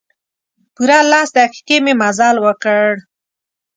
پوره لس دقیقې مې مزل وکړ.